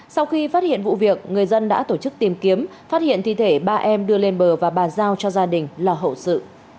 sau khi phát hiện vụ việc người dân đã tổ chức tìm kiếm phát hiện thi thể ba em đưa lên bờ và bàn giao cho gia đình lo hậu sự